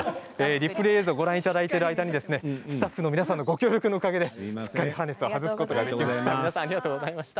リプレー映像をご覧いただいている間にスタッフの皆さんのご協力のおかげでハーネスを外すことができました。